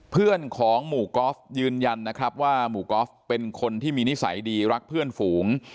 เพื่อนของหมู่กอล์ฟยืนยันนะครับว่าหมู่กอล์ฟเป็นคนที่มีนิสัยดีรักเพื่อนฝูง